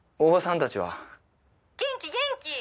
「元気元気！」